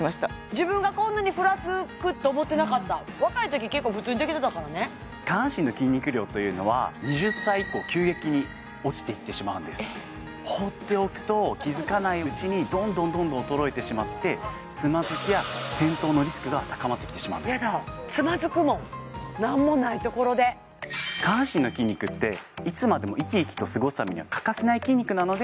自分がこんなにフラつくと思ってなかった若いとき結構普通にできてたからね下半身の筋肉量というのは２０歳以降急激に落ちていってしまうんです放っておくと気づかないうちにどんどんどんどん衰えてしまってつまずきや転倒のリスクが高まってきてしまうんです下半身の筋肉っていつまでも生き生きと過ごすためには欠かせない筋肉なので